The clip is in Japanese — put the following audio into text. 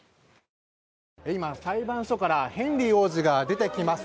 今、裁判所からヘンリー王子が出てきます。